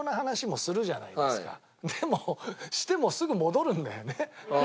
でもしてもすぐ戻るんだよね。